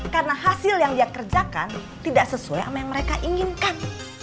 karena hasil yang dia kerjakan tidak sesuai sama yang mereka inginkan